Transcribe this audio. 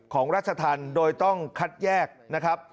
ของราชธรรมโดยต้องคัดแยกนะครับ